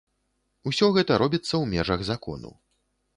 Усё гэта робіцца ў межах закону.